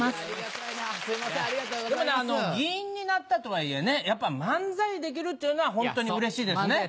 議員になったとはいえ漫才できるっていうのはホントにうれしいですね。